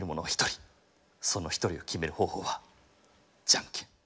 その一人を決める方法はじゃんけん」。